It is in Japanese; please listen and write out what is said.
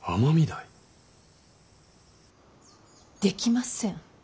できません。